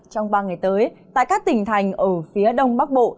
trong ba ngày tới tại các tỉnh thành ở phía đông bắc bộ